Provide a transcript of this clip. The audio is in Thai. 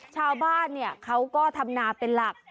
ชาวบ้านเขาก็ทำนาเป็นหลัก